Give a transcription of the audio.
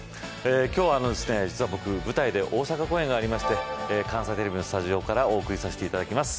今日は、実は僕舞台で大阪公演がありまして関西テレビのスタジオからお送りさせていただきます。